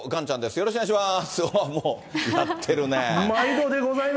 よろしくお願いします。